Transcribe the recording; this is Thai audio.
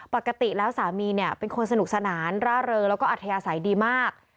ปกติแล้วสามีเนี่ยเป็นคนสนุกสนานร่าเริงแล้วก็อัธยาศัยดีมาก